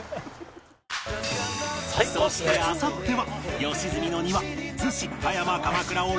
そしてあさっては